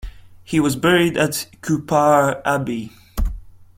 He was buried at Cupar Abbey.